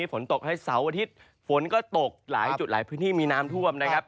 ฝนตกให้เสาร์อาทิตย์ฝนก็ตกหลายจุดหลายพื้นที่มีน้ำท่วมนะครับ